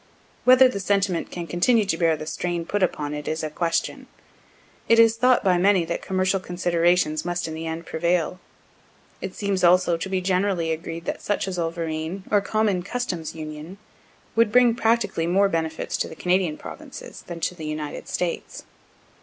Whether the sentiment can continue to bear the strain put upon it is a question. It is thought by many that commercial considerations must in the end prevail. It seems also to be generally agreed that such a zollverein, or common customs union, would bring practically more benefits to the Canadian provinces than to the United States.